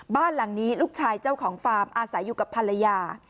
บ้านหลังนี้ลูกชายเจ้าของฟาร์มอาศัยอยู่กับภรรยา